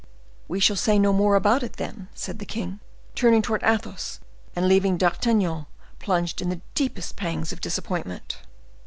"We shall say no more about it, then," said the king, turning towards Athos, and leaving D'Artagnan plunged in the deepest pangs of disappointment.